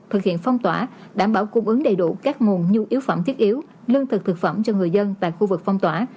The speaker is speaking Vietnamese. thực hiện phong tỏa đảm bảo cung ứng đầy đủ các nguồn nhu yếu phẩm thiết yếu lương thực thực phẩm cho người dân tại khu vực phong tỏa